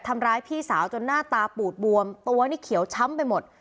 ทำร้ายพี่สาวจนหน้าตาปูดบวมตัวนี่เขียวช้ำไปหมด